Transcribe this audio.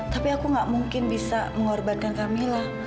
tapi aku gak mungkin bisa mengorbankan kamila